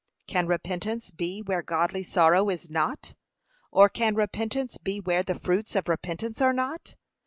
Can repentance be where godly sorrow is not? or can repentance be where the fruits of repentance are not?